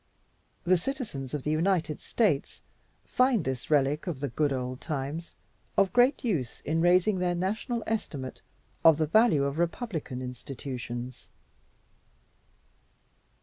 The citizens of the United States find this relic of the good old times of great use in raising their national estimate of the value of republican institutions.